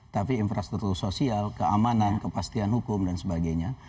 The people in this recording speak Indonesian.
tapi infrastruktur sosial keamanan kepastian hukum dan sebagainya